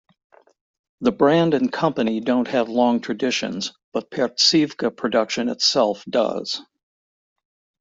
The brand and company don't have long traditions but pertsivka production itself does.